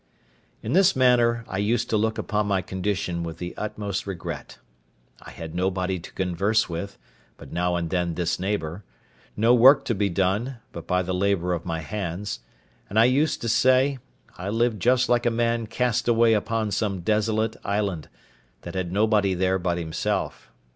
In this manner I used to look upon my condition with the utmost regret. I had nobody to converse with, but now and then this neighbour; no work to be done, but by the labour of my hands; and I used to say, I lived just like a man cast away upon some desolate island, that had nobody there but himself.